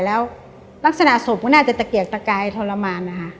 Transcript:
แล้วลักษณะศพก็น่าจะตะเกียกตะกายทรมานนะคะ